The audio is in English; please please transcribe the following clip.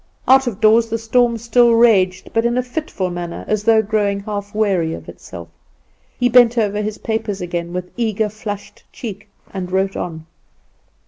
Out of doors the storm still raged; but in a fitful manner, as though growing half weary of itself. He bent over his paper again, with eager flushed cheek, and wrote on.